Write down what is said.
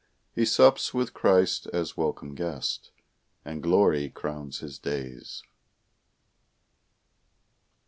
He sups with Christ as welcome guest, And glory crowns his days.